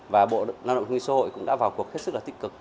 và bộ lao động thương minh xã hội cũng đã vào cuộc hết sức là tích cực